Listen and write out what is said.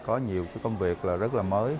có nhiều công việc rất là mới